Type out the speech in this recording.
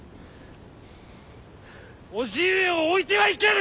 叔父上を置いてはいけぬ！